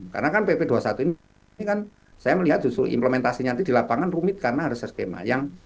karena kan pp dua puluh satu ini saya melihat justru implementasinya di lapangan rumit karena harus seskema